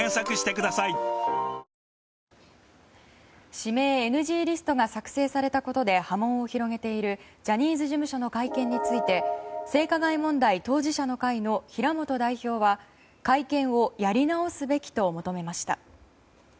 指名ＮＧリストが作成されたことで波紋を広げているジャニーズ事務所の会見について性加害問題当事者の会の平本代表は会見をやり直すべきと求めました。